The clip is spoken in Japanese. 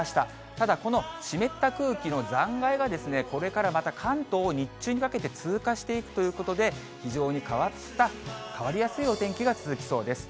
ただ、この湿った空気の残骸がですね、これからまた関東を日中にかけて通過していくということで、非常に変わりやすいお天気が続きそうです。